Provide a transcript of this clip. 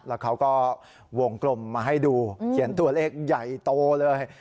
แล้วเขาก็วงกลมมาให้ดูเขียนตัวเลขใหญ่โตเลย